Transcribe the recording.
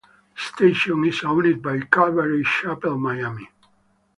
The station is owned by Calvary Chapel Miami.